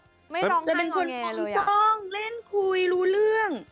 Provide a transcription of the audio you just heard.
เป็นคนจ้องเล่นคุยรู้เรื่อง